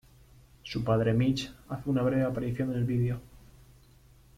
Su padre Mitch, hace una breve aparición en el video.